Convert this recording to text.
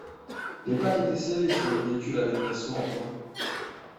Les plaques étaient scellées sur le véhicule à l'aide d'un sceau en plomb.